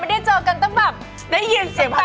ก็เห็นเห็นแคลปหนึ่งอ่ะ